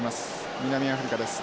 南アフリカです。